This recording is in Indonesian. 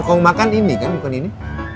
kalo mau makan ini kan bukan ini